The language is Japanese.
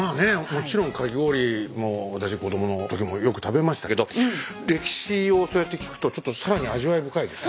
もちろんかき氷もう私子供の時もよく食べましたけど歴史をそうやって聞くとちょっと更に味わい深いですね。